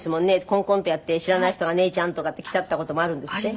コンコンとやって知らない人が「姉ちゃん」とかって来ちゃった事もあるんですって？